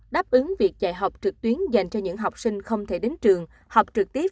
đáp ứng việc dạy học trực tuyến dành cho những học sinh không thể đến trường học trực tiếp